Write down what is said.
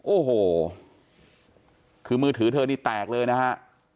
โอ้โหคือมือถือเธอนี่แตกเลยนะฮะ